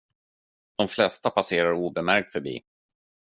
De flesta passerar obemärkt förbi.